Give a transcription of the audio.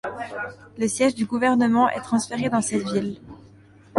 Le siège du gouverneur est transféré dans cette ville.